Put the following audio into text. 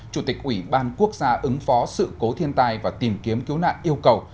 chủ tịch ủy ban quốc gia ứng phó sự cố thiên tai và tìm kiếm cứu nạn yêu cầu